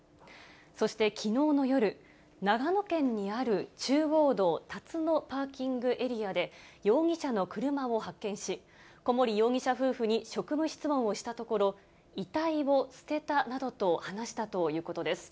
そしてきのうの夜、長野県にある中央道辰野パーキングエリアで、容疑者の車を発見し、小森容疑者夫婦に職務質問をしたところ、遺体を捨てたなどと話したということです。